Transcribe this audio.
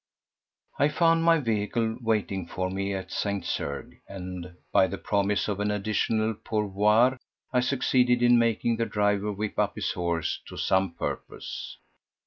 I found my vehicle waiting for me at St. Cergues, and by the promise of an additional pourboire, I succeeded in making the driver whip up his horses to some purpose.